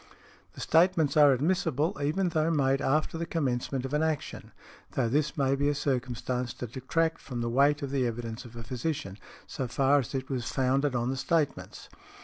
The statements are admissible even though made after the commencement of an action, though this may be a circumstance to detract from the weight of the evidence of a physician, so far as it was founded on the statements .